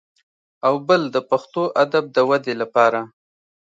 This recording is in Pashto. او بل د پښتو ادب د ودې لپاره